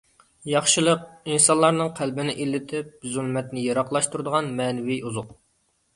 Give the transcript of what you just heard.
ياخشىلىق — ئىنسانلارنىڭ قەلبىنى ئىللىتىپ، زۇلمەتنى يىراقلاشتۇرىدىغان مەنىۋى ئوزۇق.